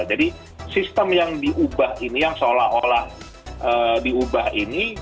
jadi sistem yang diubah ini yang seolah olah diubah ini